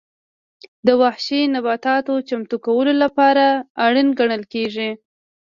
د وحشي نباتاتو چمتو کولو لپاره اړین ګڼل کېږي.